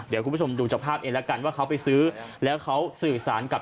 เดี๋ยวคุณผู้ชมดูจากภาพเองแล้วกันว่าเขาไปซื้อแล้วเขาสื่อสารกับ